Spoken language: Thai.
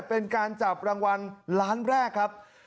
เป็นการจับรางวัลล้านแรกครับ